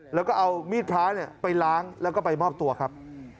แล้วก็เอามีดพระไปล้างแล้วก็ไปมอบตัวครับ